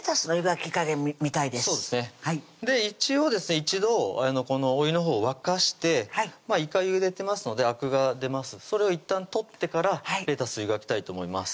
一度お湯のほう沸かしていかゆでてますのであくが出ますそれをいったん取ってからレタス湯がきたいと思います